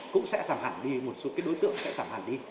cũng sẽ giảm hẳn đi một số đối tượng sẽ giảm hẳn đi